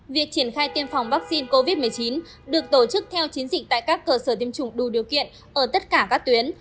việc triển khai tiêm phòng vaccine covid một mươi chín được tổ chức theo chiến dịch tại các cơ sở tiêm chủng đủ điều kiện ở tất cả các tuyến